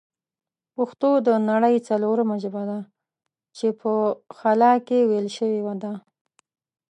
پښتو د نړۍ ځلورمه ژبه ده چې په خلا کښې ویل شوې ده